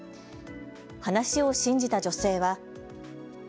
話を信じた女性は。